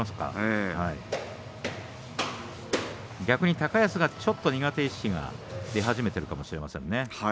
逆に高安が苦手意識が出始めているかもしれませんね。